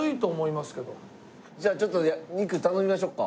じゃあちょっと肉頼みましょうか。